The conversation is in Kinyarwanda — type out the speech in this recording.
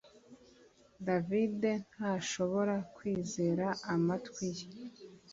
David ntashobora kwizera amatwi ye